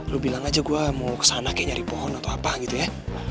lu bilang aja gue mau kesana kayak nyari pohon atau apa gitu ya